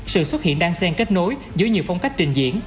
sự xuất hiện đăng sen kết nối với nhiều phong cách trình diễn